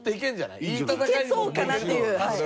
いけそうかなっていう。